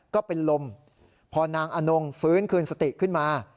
ก็เป็นลมพอนางอนงฟื้นคืนสติขึ้นมา